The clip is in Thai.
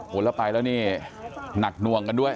คนละไปแล้วนี่หนักนวงกันด้วย